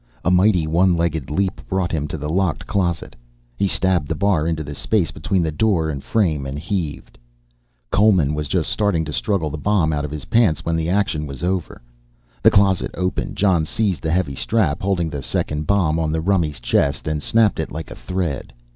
A mighty one legged leap brought him to the locked closet; he stabbed the bar into the space between the door and frame and heaved. Coleman was just starting to struggle the bomb out of his pants when the action was over. The closet open, Jon seized the heavy strap holding the second bomb on the rummy's chest and snapped it like a thread.